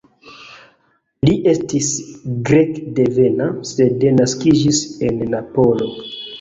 Li estis grekdevena, sed naskiĝis en Napolo.